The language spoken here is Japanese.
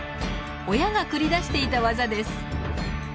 親が繰り出していた技です。